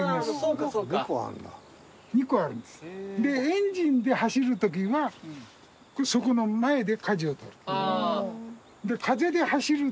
エンジンで走るときはそこの前で舵を取る。